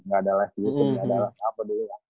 gak ada live di youtube gak ada apa apa dulu kan